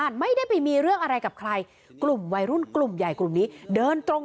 อันนี้จะส่งเพื่อนกลับบ้านกันเก็บของ